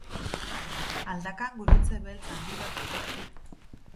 Aldakan gurutze beltz handi bat du.